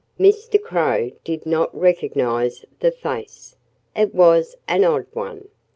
Mr. Crow did not recognize the face. It was an odd one.